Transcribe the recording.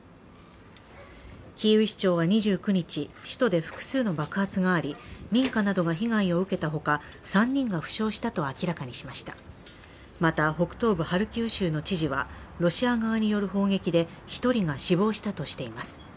キーウ市長は２９日、首都で複数の爆発があり、民家などが被害を受けたほか３人が負傷したと明らかにしましたまた、北東部ハルキウ州の知事は、ロシア側による砲撃で１人が死亡したとしています。